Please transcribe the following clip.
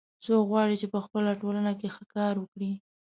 څوک غواړي چې په خپل ټولنه کې ښه کار وکړي